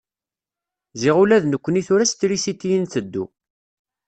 Ziɣ ula d nekni tura s trisiti i nteddu.